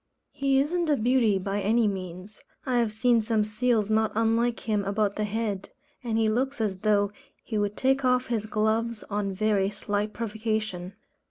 He isn't a beauty by any means. I have seen some seals not unlike him about the head; and he looks as though he would take off his gloves on very slight provocation.